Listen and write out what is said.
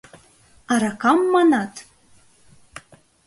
— Аракам, манат?!